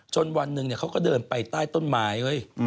วันหนึ่งเขาก็เดินไปใต้ต้นไม้เฮ้ย